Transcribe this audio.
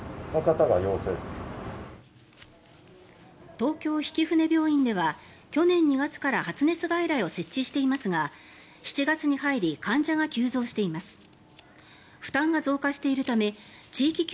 東京曳舟病院では去年２月から発熱外来を設置していますが７月に入り患者が急増しています。